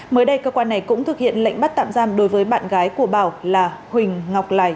mới đây cơ quan này cũng thực hiện lệnh bắt tạm giam đối với bạn gái của bảo là huỳnh ngọc lài